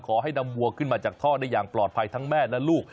ขอให้นำวัวขึ้นมาจากท่อได้อย่างปลอดภัยทั้งแม่และลูก